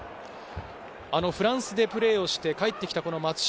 フランスでプレーをして帰ってきた松島。